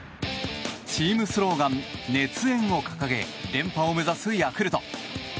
チームスローガン「熱燕」を掲げ連覇を目指すヤクルト。